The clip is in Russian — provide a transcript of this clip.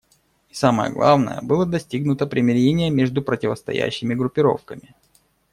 И, самое главное, было достигнуто примирение между противостоящими группировками.